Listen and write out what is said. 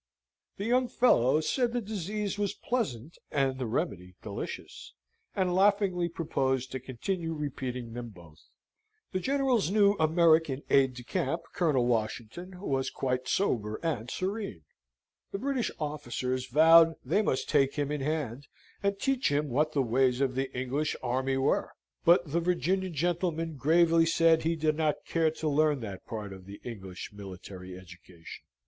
The young fellow said the disease was pleasant and the remedy delicious, and laughingly proposed to continue repeating them both. The General's new American aide de camp, Colonel Washington, was quite sober and serene. The British officers vowed they must take him in hand, and teach him what the ways of the English army were; but the Virginian gentleman gravely said he did not care to learn that part of the English military education.